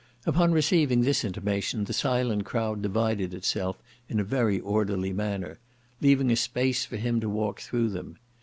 Upon receiving this intimation the silent crowd divided itself in a very orderly manner, leaving a space for him to walk through them.